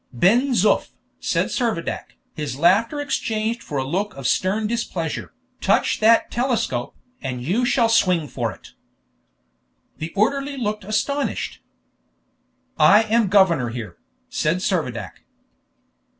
"Ben Zoof," said Servadac, his laughter exchanged for a look of stern displeasure, "touch that telescope, and you shall swing for it!" The orderly looked astonished. "I am governor here," said Servadac.